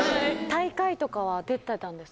大会とかは出てたんですか？